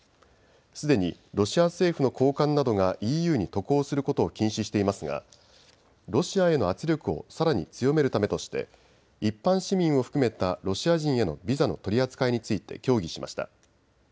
すでにロシア政府の高官などがＥＵに渡航することを禁止していますがロシアへの圧力をさらに強めるためとして一般市民を含めたロシア人へのビザの取り扱いについて協議しました。